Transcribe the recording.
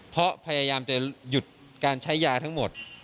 เพราะพยายามจะหยุดการใช้ยาทั้งหมด